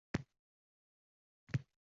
Tirikmi, olib chiqing